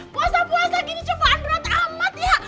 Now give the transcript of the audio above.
puasa puasa gini cuman amat amat ya